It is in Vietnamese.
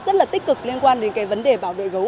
rất là tích cực liên quan đến cái vấn đề bảo vệ gấu